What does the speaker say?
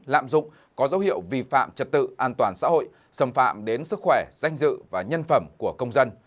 lạm dụng có dấu hiệu vi phạm trật tự an toàn xã hội xâm phạm đến sức khỏe danh dự và nhân phẩm của công dân